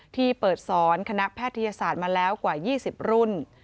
ที่เปิดสอนคณะแพทยศาสตร์มาแล้วกว่า๒๐รุ่น